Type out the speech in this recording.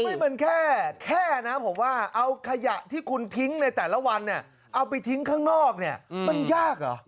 มันแค่แค่นะผมว่าเอาขยะที่คุณทิ้งในแต่ละวันเนี่ยเอาไปทิ้งข้างนอกเนี่ยมันยากเหรอ